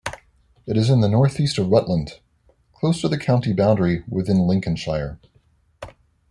It is in the northeast of Rutland, close to the county boundary with Lincolnshire.